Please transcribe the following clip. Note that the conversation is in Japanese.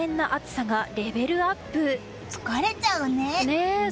疲れちゃうね。